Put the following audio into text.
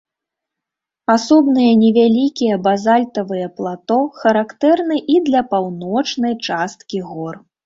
Асобныя невялікія базальтавыя плато характэрны і для паўночнай часткі гор.